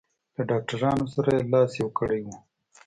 له ډاکټرانو سره یې لاس یو کړی و.